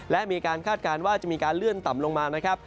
และมีการคาดการณ์ว่าจะมีการเลื่อนต่ำลงมานะครับ